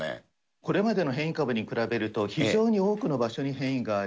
これまでの変異株に比べると、非常に多くの場所に変異がある。